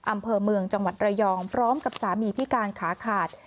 อำเภอเมืองจังหวัดระยองพร้อมกับสามีพิการขาขาด